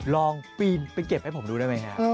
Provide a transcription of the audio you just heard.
ลองปีนไปเก็บให้ผมดูได้ไหมฮะ